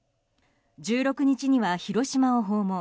１６日には、広島を訪問。